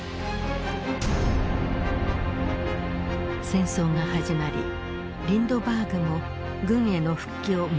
戦争が始まりリンドバーグも軍への復帰を申し出た。